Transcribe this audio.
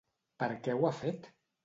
Per què ho ha fet?